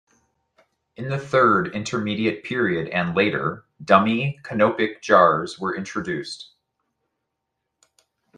In the Third Intermediate Period and later, dummy canopic jars were introduced.